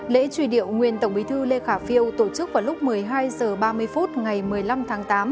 lễ truy điệu nguyên tổng bí thư lê khả phiêu tổ chức vào lúc một mươi hai h ba mươi phút ngày một mươi năm tháng tám